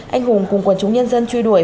anh hùng cùng quần chúng nhân dân truy đuổi